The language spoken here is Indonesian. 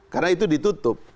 karena itu ditutup